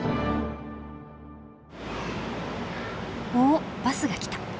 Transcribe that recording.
おっバスが来た。